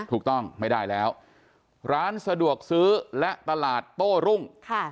ถูกต้องไม่ได้แล้วร้านสะดวกซื้อและตลาดโต้รุ่ง